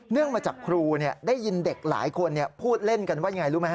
มาจากครูได้ยินเด็กหลายคนพูดเล่นกันว่าอย่างไรรู้ไหมฮ